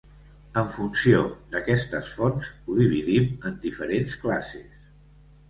En funció d'aquestes fonts, ho dividim en diferents classes.